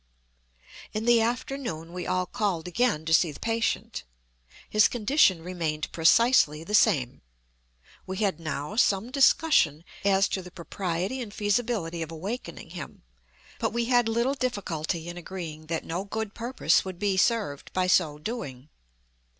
In the afternoon we all called again to see the patient. His condition remained precisely the same. We had now some discussion as to the propriety and feasibility of awakening him; but we had little difficulty in agreeing that no good purpose would be served by so doing.